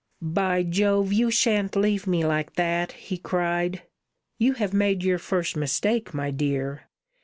"By Jove! you shan't leave me like that!" he cried. "You have made your first mistake, my dear.